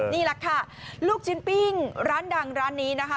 นี่แหละค่ะลูกชิ้นปิ้งร้านดังร้านนี้นะคะ